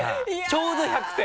ちょうど１００点。